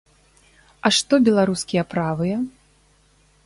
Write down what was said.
А што беларускія правыя?